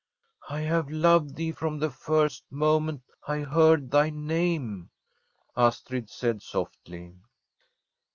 ' I have loved thee from the first moment I heard thy name,' Astrid said softly.